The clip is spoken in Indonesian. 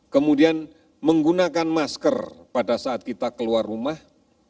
kemudian menggunakan masker pada saat kita keluar rumah